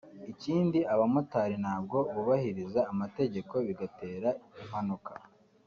Ikindi abamotari ntabwo bubahiriza amategeko bigatera impanuka